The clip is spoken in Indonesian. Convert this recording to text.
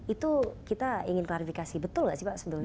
itu kita ingin klarifikasi betul nggak sih pak sebetulnya